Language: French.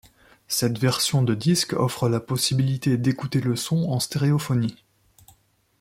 Cette version de disque offre la possibilité d'écouter le son en stéréophonie.